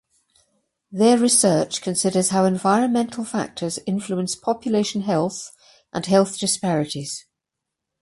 Their research considers how environmental factors influence population health and health disparities.